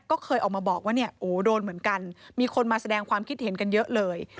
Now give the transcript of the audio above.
ก็เคยออกมาบอกว่าเนี่ยโอ้โดนเหมือนกันมีคนมาแสดงความคิดเห็นกันเยอะเลย